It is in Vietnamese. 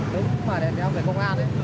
nếu mà đeo về công an